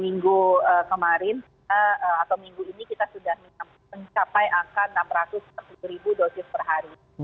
minggu kemarin atau minggu ini kita sudah mencapai angka enam ratus sepuluh dosis per hari